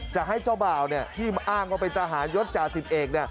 จะให้เจ้าบ่าวที่อ้างว่าเป็นทหารยศจ่าสิบเอก